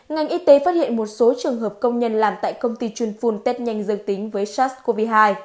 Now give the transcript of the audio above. ngành y tế phát hiện một số trường hợp công nhân làm tại công ty chuyên phun tết nhanh dương tính với sars cov hai